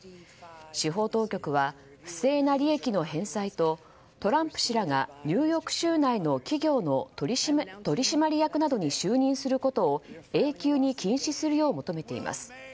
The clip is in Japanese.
司法当局は、不正な利益の返済とトランプ氏らがニューヨーク州内の企業の取締役などに就任することを永久に禁止するよう求めています。